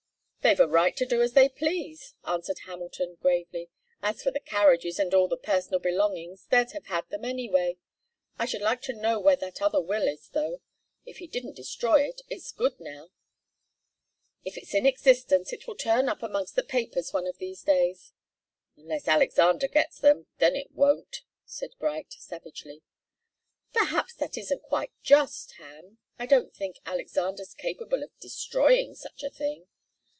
"They've a right to do as they please," answered Hamilton gravely. "As for the carriages and all the personal belongings, they'd have had them anyway. I should like to know where that other will is, though. If he didn't destroy it, it's good now." "If it's in existence, it will turn up amongst the papers one of these days." "Unless Alexander gets at them then it won't," said Bright, savagely. "Perhaps that isn't quite just, Ham. I don't think Alexander's capable of destroying such a thing."